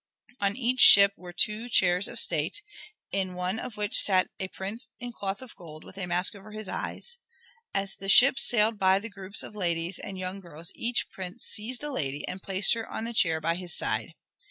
On each ship were two chairs of state, in one of which sat a prince in cloth of gold, with a mask over his eyes. As the ships sailed by the groups of ladies and young girls each prince seized a lady and placed her on the chair by his side.